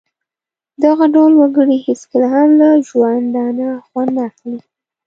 دغه ډول وګړي هېڅکله هم له ژوندانه خوند نه اخلي.